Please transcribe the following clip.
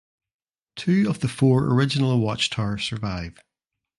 Two of the four original watchtowers survive.